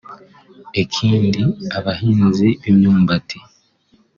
Ikindi abahinzi b’imyumbati